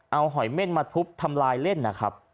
เอาหอยเม่นมาทุบทำลายเล่นนะครับ